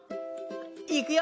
いくよ！